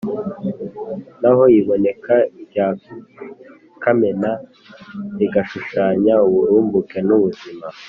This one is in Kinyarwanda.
naho iboneka rya kamena rigashushanya uburumbuke n’ubuzima